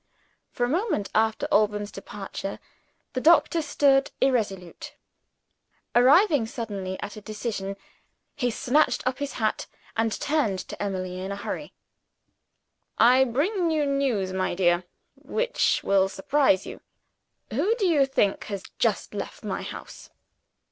For a moment after Alban's departure, the doctor stood irresolute. Arriving suddenly at a decision, he snatched up his hat, and turned to Emily in a hurry. "I bring you news, my dear, which will surprise you. Who do you think has just left my house?